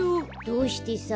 どうしてさ。